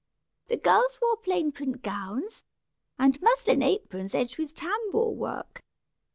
The girls wore plain print gowns, and muslin aprons edged with tambour work.